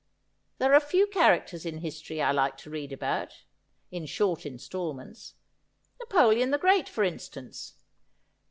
There are a few characters in history I like to read about — in short instal ments. Napoleon the Great, for instance.